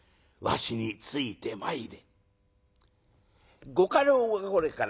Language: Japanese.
わしについてまいれ」。